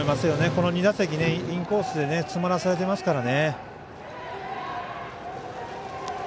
この２打席インコースで詰まらされてますから。